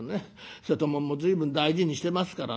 瀬戸物も随分大事にしてますからね